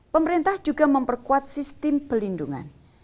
pemerintah juga memperkuat sistem pelindungan